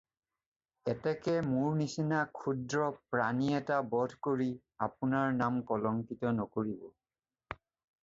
এতেকে মোৰ নিচিনা ক্ষুদ্ৰ প্ৰাণী এটা বধ কৰি আপোনাৰ নাম কলঙ্কিত নকৰিব।